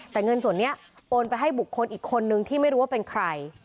แต่เงินส่วนนี้โอนไปให้บุคคลอีกคนนึงที่ไม่รู้ว่าเป็นใคร